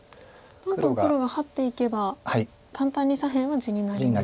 どんどん黒がハッていけば簡単に左辺は地になりますね。